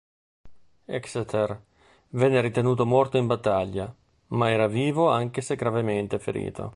Exeter venne ritenuto morto in battaglia, ma era vivo anche se gravemente ferito.